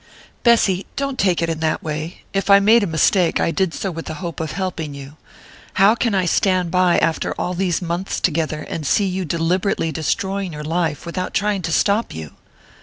"Bessy! Don't take it in that way. If I made a mistake I did so with the hope of helping you. How can I stand by, after all these months together, and see you deliberately destroying your life without trying to stop you?"